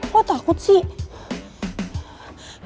lo takut sih